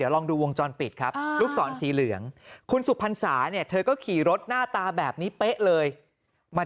รุ่นเหมือนกันเป๊ะเลยอะ